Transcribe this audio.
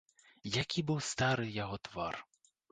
Які быў стары яго твар!